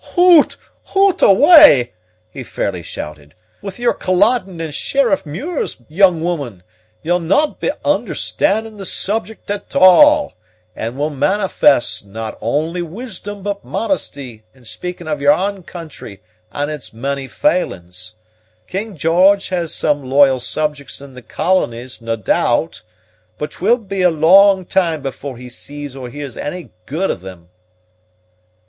"Hoot! hoot awa'!" he fairly shouted, "with your Culloden and Sherriff muirs, young woman; ye'll no' be understanding the subject at all, and will manifest not only wisdom but modesty in speaking o' your ain country and its many failings. King George has some loyal subjects in the colonies, na doubt, but 'twill be a lang time before he sees or hears any guid of them."